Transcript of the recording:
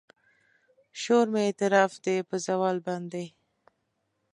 شور مې اعتراف دی په زوال باندې